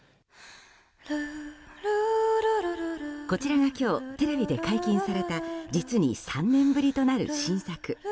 こちらが今日テレビで解禁された実に３年ぶりとなる新作